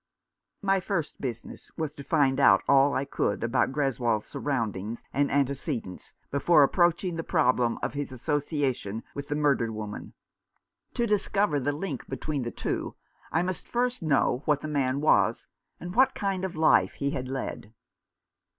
My first business was to find out all I could about Greswold's surroundings and antecedents, before approaching the problem of his association 233 Rough Justice. with the murdered woman. To discover the link between those two I must first know what the man was, and what kind of life he had led.